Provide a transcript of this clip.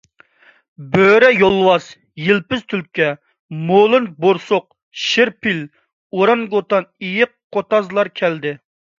بۆرە، يولۋاس، يىلپىز، تۈلكە، مولۇن، بورسۇق، شىر، پىل، ئورانگوتان، ئېيىق، قوتازلار كەلدى.